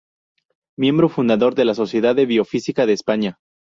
Miembro fundador de la Sociedad de Biofísica de España.